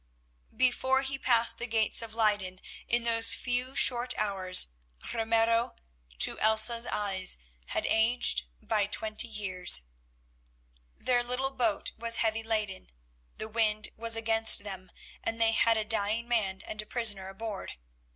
Before he passed the gates of Leyden, in those few short hours, Ramiro, to Elsa's eyes, had aged by twenty years. Their little boat was heavy laden, the wind was against them, and they had a dying man and a prisoner aboard.